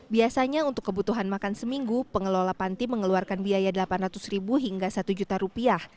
biasanya untuk kebutuhan makan seminggu pengelola panti mengeluarkan biaya rp delapan ratus hingga rp satu